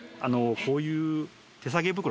こういう手提げ袋。